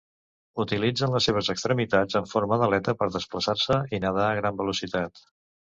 Utilitzen les seves extremitats en forma d'aleta per desplaçar-se i nedar a gran velocitat.